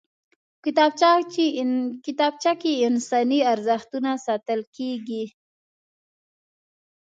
کتابچه کې انساني ارزښتونه ساتل کېږي